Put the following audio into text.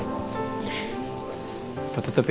papa tutup ya